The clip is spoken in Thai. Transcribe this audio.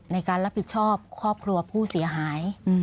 ในการรับผิดชอบครอบครัวผู้เสียหาย